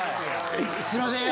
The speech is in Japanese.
すいません